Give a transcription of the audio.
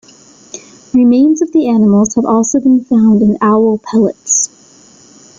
Remains of the animals have also been found in owl pellets.